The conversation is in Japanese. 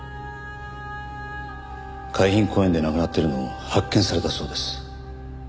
海浜公園で亡くなっているのを発見されたそうです。